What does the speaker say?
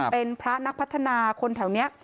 เป็นพระนักพัฒนาคนแถวนี้